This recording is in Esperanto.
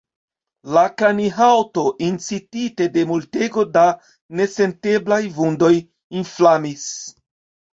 La kranihaŭto, incitite de multego da nesenteblaj vundoj, inflamis.